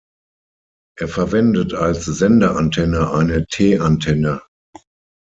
Er verwendet als Sendeantenne eine T-Antenne.